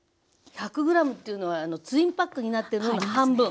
１００ｇというのはツインパックになってるのの半分。